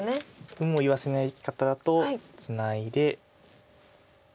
有無を言わせない方だとツナいで。